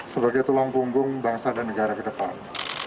sebagai tulang punggung bangsa dan negara ke depan